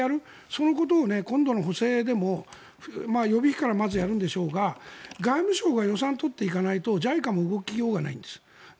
それを今度の補正でも予備費からまずやるんでしょうが外務省が予算を取っていかないとＪＩＣＡもやりようがないんです。